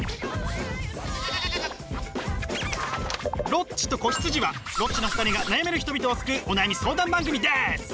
「ロッチと子羊」はロッチの２人が悩める人々を救うお悩み相談番組です！